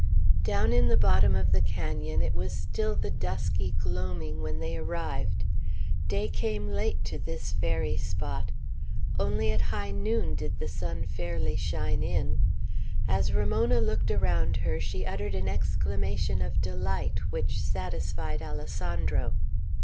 Down in the bottom of the canon it was still the dusky gloaming when they arrived. Day came late to this fairy spot. Only at high noon did the sun fairly shine in. As Ramona looked around her, she uttered an exclamation of delight, which satisfied Alessandro.